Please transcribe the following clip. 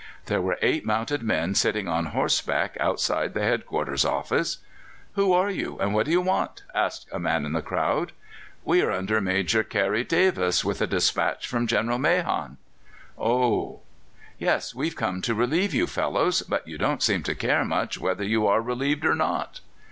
There were eight mounted men sitting on horseback outside the head quarters office. "Who are you, and what do you want?" asked a man in the crowd. "We are under Major Karie Davis with a despatch from General Mahon." "Oh!" "Yes, we've come to relieve you fellows; but you don't seem to care much whether you are relieved or not."